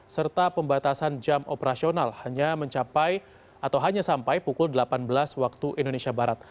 serta pembatasan jam operasional hanya sampai pukul delapan belas waktu indonesia barat